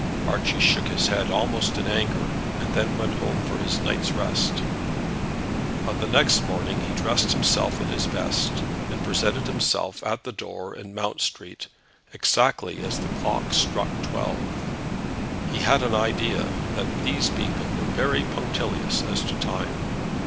Archie shook his head, almost in anger, and then went home for his night's rest. On the next morning he dressed himself in his best, and presented himself at the door in Mount Street, exactly as the clock struck twelve. He had an idea that these people were very punctilious as to time.